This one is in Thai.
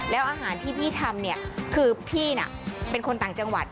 แล้วอาหารที่พี่ทำเนี่ยคือพี่น่ะเป็นคนต่างจังหวัด